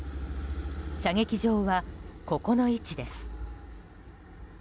射撃場は、ここの位置です。